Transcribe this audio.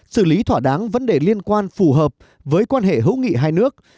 xử lý thỏa đáng vấn đề liên quan phù hợp với quan hệ hữu nghị hai nước